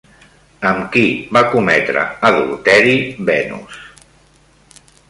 Amb qui va cometre adulteri Venus?